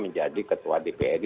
menjadi ketua di pnd